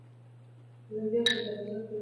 هلک بیا هم په دروازه کې خپلې لوبې کولې.